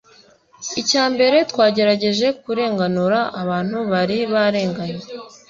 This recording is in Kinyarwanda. icya mbere twagerageje kurenganura abantu bari barenganye